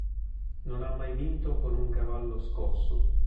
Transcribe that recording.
Non ha mai vinto con un cavallo scosso.